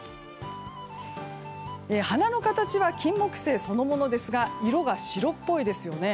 花の形はキンモクセイそのものですが色が白っぽいですよね。